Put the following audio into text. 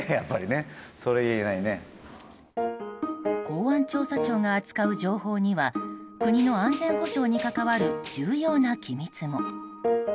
公安調査庁が扱う情報には国の安全保障に関わる重要な機密も。